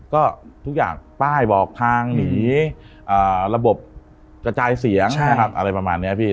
ก็ทุกอย่างป้ายบอกทางหนีระบบกระจายเสียงนะครับอะไรประมาณนี้พี่